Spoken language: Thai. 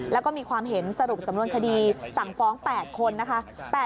แล้วก็มีความเห็นสรุปสำนวนคดีสั่งฟ้อง๘คนนะคะ